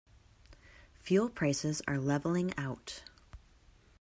Fuel prices are leveling out.